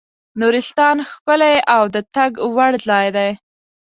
نورستان ښکلی او د تګ وړ ځای دی.